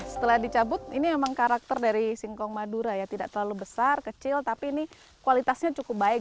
setelah dicabut ini memang karakter dari singkong madura ya tidak terlalu besar kecil tapi ini kualitasnya cukup baik